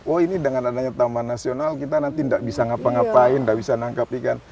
oh ini dengan adanya taman nasional kita nanti tidak bisa ngapa ngapain tidak bisa nangkap ikan